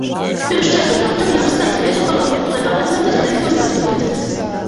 Pirms šķērsot brauktuvi, jāpaskatās pa kreisi un pa labi, lai pārliecinātos, ka netuvojas transportlīdzeklis